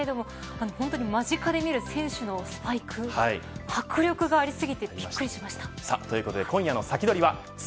本当に間近で見る選手のスパイク迫力がありすぎてびっくりしました。